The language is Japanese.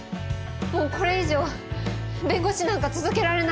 もうこれ以上弁護士なんか続けられない。